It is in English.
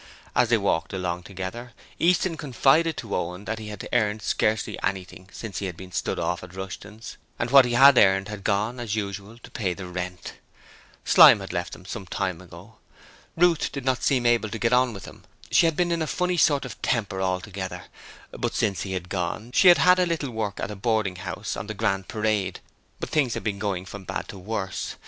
As they walked along together, Easton confided to Owen that he had earned scarcely anything since he had been stood off at Rushton's, and what he had earned had gone, as usual, to pay the rent. Slyme had left them some time ago. Ruth did not seem able to get on with him; she had been in a funny sort of temper altogether, but since he had gone she had had a little work at a boarding house on the Grand Parade. But things had been going from bad to worse.